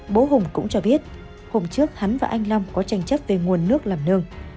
bố hùng cũng cho biết hôm trước hắn và anh long có tranh chấp về nguồn nước làm nương